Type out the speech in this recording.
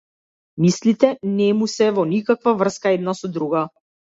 Мислите не му се во никаква врска една со друга.